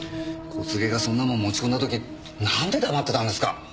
小菅がそんなもん持ち込んだ時なんで黙ってたんですか？